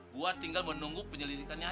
gue tinggal menunggu penyelidikannya